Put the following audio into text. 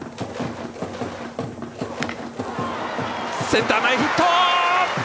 センター前ヒット！